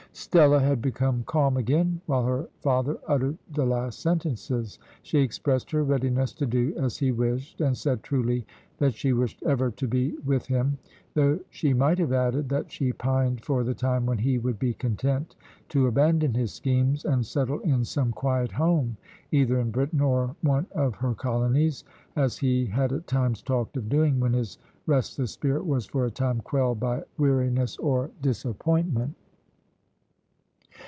Stella had become calm again while her father uttered the last sentences. She expressed her readiness to do as he wished, and said, truly, that she wished ever to be with him; though she might have added, that she pined for the time when he would be content to abandon his schemes, and settle in some quiet home either in Britain or one of her colonies, as he had at times talked of doing when his restless spirit was for a time quelled by weariness or disappointment.